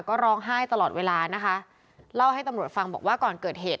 ก็ร้องไห้ตลอดเวลานะคะเล่าให้ตำรวจฟังบอกว่าก่อนเกิดเหตุ